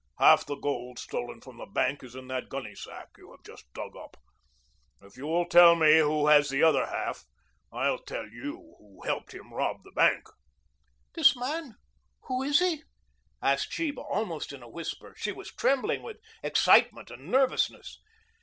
Half the gold stolen from the bank is in that gunnysack you have just dug up. If you'll tell me who has the other half, I'll tell you who helped him rob the bank." "This man who is he?" asked Sheba, almost in a whisper. She was trembling with excitement and nervousness.